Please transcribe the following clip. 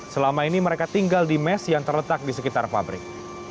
selama ini mereka tinggal di mes yang terletak di sekitar pabrik